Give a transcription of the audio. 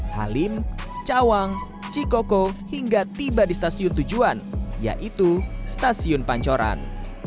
halim cawang cikoko hingga tiba di stasiun tujuan yaitu stasiun pancoran